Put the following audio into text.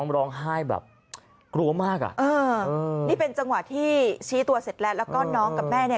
ร้องไห้แบบกลัวมากอ่ะเออนี่เป็นจังหวะที่ชี้ตัวเสร็จแล้วแล้วก็น้องกับแม่เนี่ย